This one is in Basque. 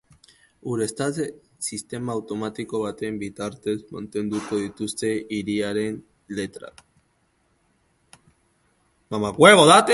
Ureztatze sistema automatiko baten bitartez mantenduko dituzte hiriaren letrak.